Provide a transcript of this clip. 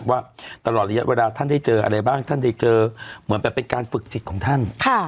ว่าตลอดระยะเวลาท่านได้เจออะไรบ้างท่านได้เจอเหมือนแบบเป็นการฝึกจิตของท่าน